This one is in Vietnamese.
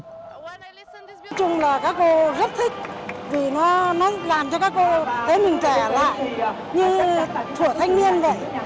nói chung là các cô rất thích vì nó làm cho các cô thấy mình trẻ lại như của thanh niên này